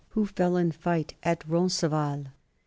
Who fell in fight at Roncevals.